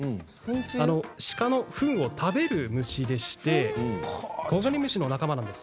鹿のフンを食べる虫でコガネムシの仲間なんです。